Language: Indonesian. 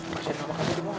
kasian apa kasihnya